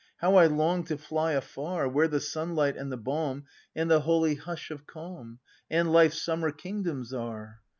— How I long to fly afar, Where the sunhght and the balm And the holy hush of calm, And Life's summer kingdoms are!